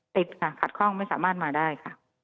ติดค่ะขัดข้องไม่สามารถมาได้ค่ะ